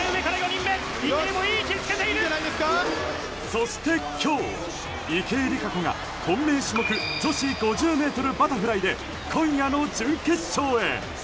そして、今日池江璃花子が本命種目女子５０ｍバタフライで今夜の準決勝へ。